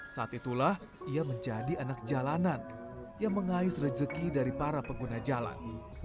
saat itulah ia menjadi anak jalanan yang mengais rejeki dari para pengguna jalan